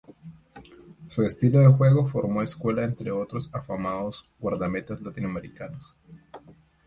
Su estilo de juego formó escuela entre otros afamados guardametas latinoamericanos.